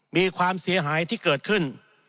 มีความเสียหายที่เกิดขึ้น